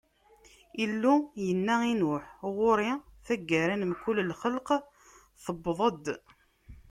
Illu yenna i Nuḥ: Ɣur-i, taggara n mkul lxelq tewweḍ-d.